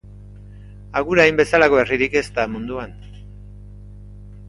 Agurain bezalako herririk ez da munduan.